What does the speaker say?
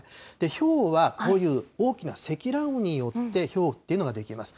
ひょうは、こういう大きな積乱雲によってひょうっていうのが出来ます。